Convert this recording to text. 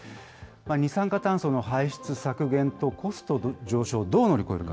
二酸化炭素の排出削減とコスト上昇をどう乗り越えるか。